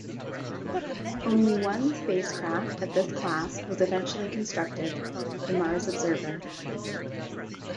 Only one spacecraft of this class was eventually constructed-the "Mars Observer".